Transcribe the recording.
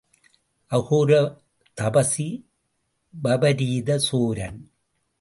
அகோர தபசி வபரீத சோரன்.